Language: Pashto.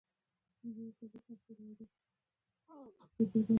دوکاندار د خدای رضا ته پام کوي.